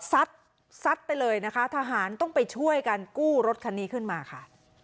ซัดไปเลยนะคะทหารต้องไปช่วยกันกู้รถคันนี้ขึ้นมาค่ะ